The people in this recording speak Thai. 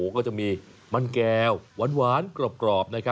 ก็จะมีมันแก้วหวานกรอบ